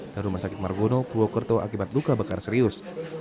dan rumah sakit margono purwokerto akibat luka bekar serius